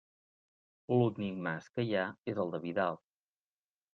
L'únic mas que hi ha és el de Vidal.